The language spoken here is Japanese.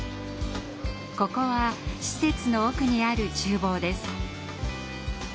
ここは施設の奥にある厨房です。